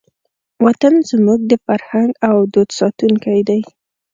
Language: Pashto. وطن زموږ د فرهنګ او دود ساتونکی دی.